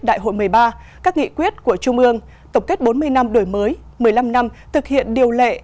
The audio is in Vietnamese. đại hội một mươi ba các nghị quyết của trung ương tổng kết bốn mươi năm đổi mới một mươi năm năm thực hiện điều lệ